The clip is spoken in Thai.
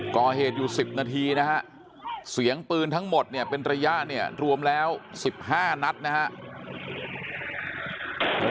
ก่อเหตุอยู่๑๐นาทีนะฮะเสียงปืนทั้งหมดเนี่ยเป็นระยะเนี่ยรวมแล้ว๑๕นัดนะครับ